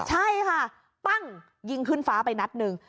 ใช่ค่ะปั้งยิงขึ้นฟ้าไปนัดหนึ่ง